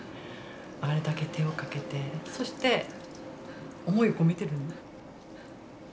あれだけ手をかけてそして思いを込めてる。